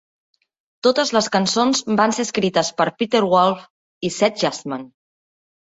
Totes les cançons van ser escrites per Peter Wolf i Seth Justman.